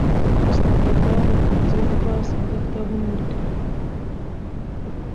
استاد بینوا د ښوونځیو لپاره ساده کتابونه ولیکل.